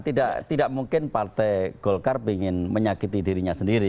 tidak mungkin partai golkar ingin menyakiti dirinya sendiri